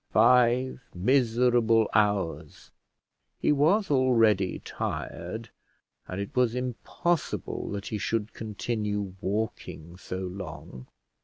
Five miserable hours! He was already tired, and it was impossible that he should continue walking so long.